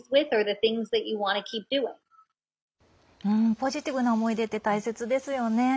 ポジティブな思い出って大切ですよね。